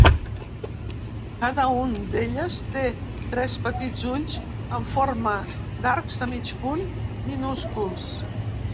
Cada un d'elles té tres petits ulls amb forma d'arcs de mig punt minúsculs.